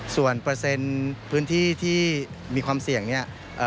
ส่วนเปอร์เซ็นต์พื้นที่ที่มีความเสี่ยงเนี่ย